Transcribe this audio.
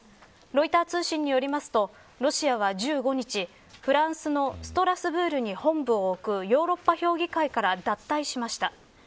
ロイター通信によるとロシアは１５日フランスのストラスブールに本部を置くヨーロッパ評議会から脱退しました。